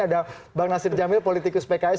ada bang nasir jamil politikus pks